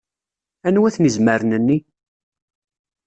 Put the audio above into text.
Anwa-ten izmaren-nni?